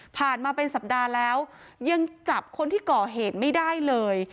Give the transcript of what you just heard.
มาเป็นสัปดาห์แล้วยังจับคนที่ก่อเหตุไม่ได้เลย